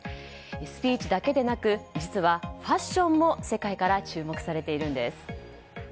スピーチだけでなく実はファッションも世界から注目されているんです。